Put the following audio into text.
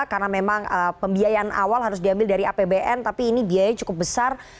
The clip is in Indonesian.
karena memang pembiayaan awal harus diambil dari apbn tapi ini biayanya cukup besar